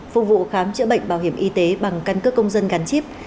phục vụ khám chữa bệnh bảo hiểm y tế bằng căn cước công dân gắn chip